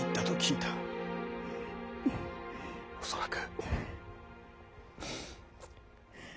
恐らく。